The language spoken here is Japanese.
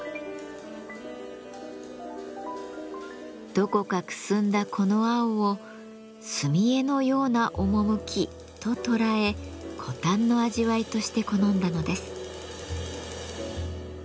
どこかくすんだこの青を「墨絵のような趣」と捉え枯淡の味わいとして好んだのです。